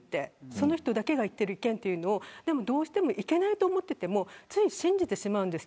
その人だけが言っている意見というのをいけないと思っていてもつい信じてしまうんです。